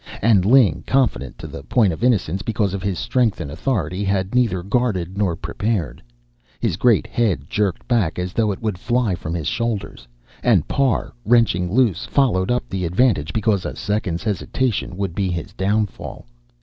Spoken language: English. And Ling, confident to the point of innocence because of his strength and authority, had neither guarded nor prepared. His great head jerked back as though it would fly from his shoulders. And Parr, wrenching loose, followed up the advantage because a second's hesitation would be his downfall.